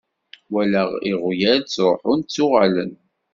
Walaɣ iɣyal ttruḥen ttuɣalen.